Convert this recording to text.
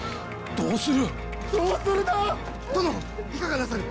どうする！？